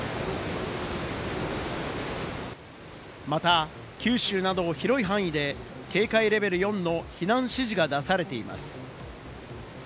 また九州など広い範囲で警戒レベル４の避難指示が出されています。